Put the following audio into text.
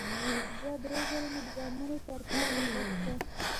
دوه ـ درې ځلې مې د ګامونو ترپا تر غوږ شوه.